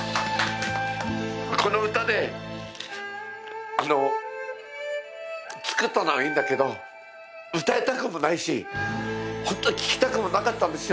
この歌で、作ったのはいいんだけど、歌いたくもないし本当は聞きたくもなかったんですよ。